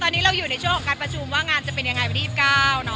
ตอนนี้เราอยู่ในช่วงของการประชุมว่างานจะเป็นยังไงวันที่๒๙เนอะ